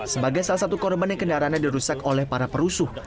sebagai salah satu korban yang kendaraannya dirusak oleh para perusuh